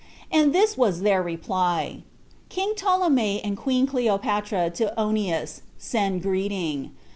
And this was their reply: "King Ptolemy and queen Cleopatra to Onias, send greeting.